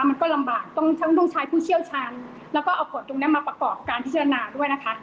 มันก็ลำบากต้องทั้งต้องใช้ผู้เชี่ยวชาญแล้วก็เอากฎตรงนี้มาประกอบการพิจารณาด้วยนะคะ